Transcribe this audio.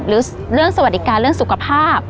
หรือเรื่องสวัสดิการเรื่องสุขภาพ